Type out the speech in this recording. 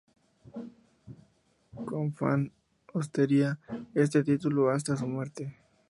Kaufmann ostentaría este título hasta su muerte.